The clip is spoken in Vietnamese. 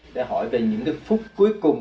để hỏi về những phút cuối cùng